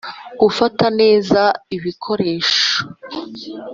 Gufata neza ibikoresho